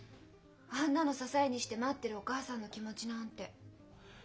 あんなの支えにして待ってるお母さんの気持ちなんて。